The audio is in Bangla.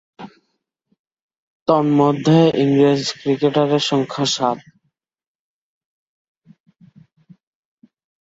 তন্মধ্যে, ইংরেজ ক্রিকেটারের সংখ্যা সাত।